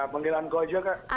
panggil anco juga